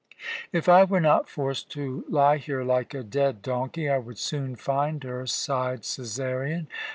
"If I were not forced to lie here like a dead donkey, I would soon find her," sighed Cæsarion.